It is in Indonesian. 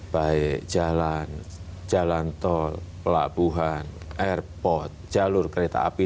baik jalan jalan tol pelabuhan airport jalur kereta api